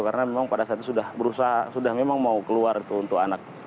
karena memang pada saat itu sudah berusaha sudah memang mau keluar itu untuk anak